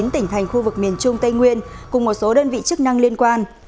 một mươi tỉnh thành khu vực miền trung tây nguyên cùng một số đơn vị chức năng liên quan